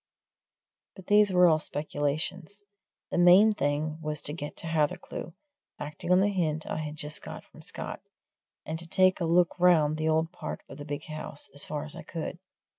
But these were all speculations the main thing was to get to Hathercleugh, acting on the hint I had just got from Scott, and to take a look round the old part of the big house, as far as I could.